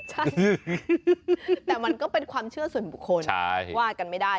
ใช่แต่มันก็เป็นความเชื่อส่วนบุคคลว่ากันไม่ได้